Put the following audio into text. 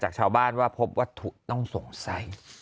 จากชาวบ้านว่าพบวัตถุต้องสงสัย